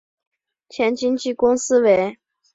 前经纪公司为。